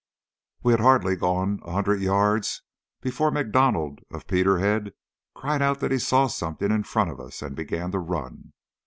We had hardly gone a hundred yards before M'Donald of Peterhead cried out that he saw something in front of us, and began to run.